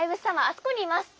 あそこにいます。